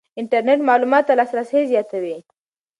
انټرنېټ معلوماتو ته لاسرسی زیاتوي.